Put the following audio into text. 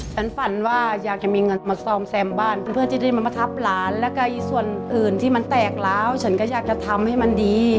ฉันฝันว่าอยากจะมีเงินมาซอมแซมบ้าน